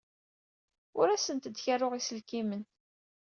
Ur asent-d-kettreɣ iselkimen.